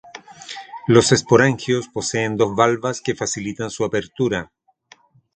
Los esporangios poseen dos valvas que facilitan su apertura.